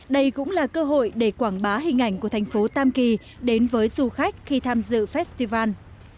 đây cũng là cơ hội để quảng bá hình ảnh của thành phố tam kỳ đến với du khách khi tham dự festival